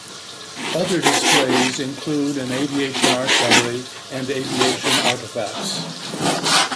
Other displays include an aviation art gallery and aviation artefacts.